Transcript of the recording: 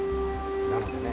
なのでね